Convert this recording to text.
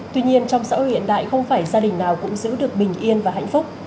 tuy nhiên trong xã hội hiện đại không phải gia đình nào cũng giữ được bình yên và hạnh phúc